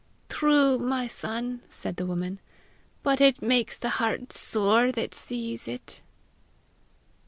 "True, my son!" said the woman; "but it makes the heart sore that sees it!"